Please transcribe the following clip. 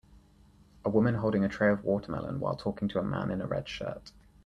A woman holding a tray of watermelon while talking to a man in a red shirt.